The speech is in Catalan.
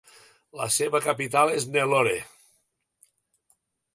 La seva capital és Nellore.